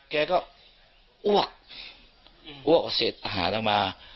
เขาก็อ้วกเสร็จอาหารออกมา